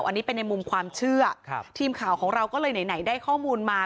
อันนี้เป็นในมุมความเชื่อทีมข่าวของเราก็เลยไหนได้ข้อมูลมา